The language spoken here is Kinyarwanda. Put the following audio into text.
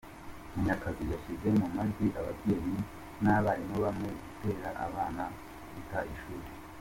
Munyakazi yashyize mu amajwi ababyeyi n’abarimu bamwe gutera abana guta ishuri.